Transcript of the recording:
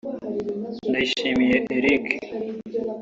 Ndayishimiye Eric